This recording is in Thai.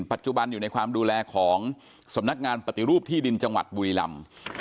ปัจจุบันอยู่ในความดูแลของสำนักงานปฏิรูปที่ดินจังหวัดบุรีลำ